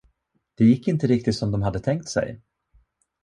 Det gick inte riktigt som de hade tänkt sig.